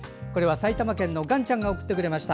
埼玉県のガンちゃんが送ってくれました。